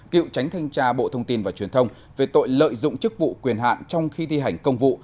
cựu tránh thanh tra bộ thông tin và truyền thông về tội lợi dụng chức vụ quyền hạn trong khi thi hành công vụ